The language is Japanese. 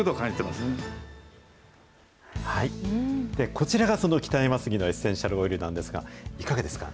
こちらが、その北山杉のエッセンシャルオイルなんですが、いかがですか。